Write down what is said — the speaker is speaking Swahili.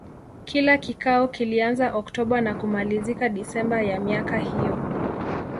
Kila kikao kilianza Oktoba na kumalizika Desemba ya miaka hiyo.